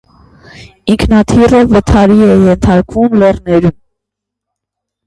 Ինքնաթիռը վթարի է ենթարկվում լեռներում։